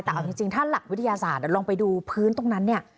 แต่เอาจริงถ้าหลักวิทยาศาสตร์ลองไปดูพื้นตรงนั้นเนี่ย